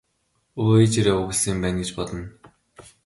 Өө ээжээрээ овоглосон юм байна гэж бодно.